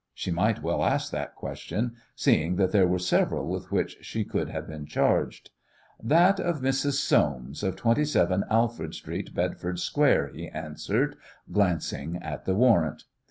She might well ask that question seeing that there were several with which she could have been charged. "That of Mrs. Soames, of 27 Alfred Street, Bedford Square," he answered, glancing at the warrant.